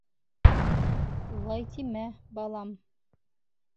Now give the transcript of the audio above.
Улай тимә, балам.